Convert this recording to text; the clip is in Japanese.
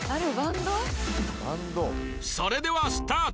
それではスタート